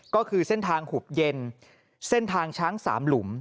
ก็คือเส้นทางหุบเย็นเส้นทางช้างสามหลุม